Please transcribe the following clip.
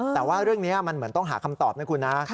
แต่ว่าเรื่องนี้มันเหมือนต้องหาคำตอบนะคุณนะ